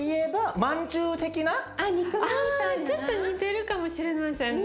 あちょっと似てるかもしれませんね。